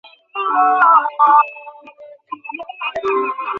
তিনি ওবামার সঙ্গে আলিঙ্গন করেন এবং কয়েক মুহূর্ত মঞ্চে একসঙ্গে কাটান।